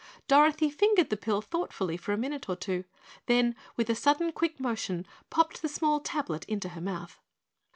Dorothy fingered the pill thoughtfully for a minute or two, then with a sudden quick motion popped the small tablet into her mouth.